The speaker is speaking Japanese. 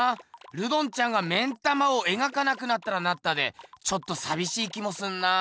ルドンちゃんが目ん玉を描かなくなったらなったでちょっとさびしい気もするなあ。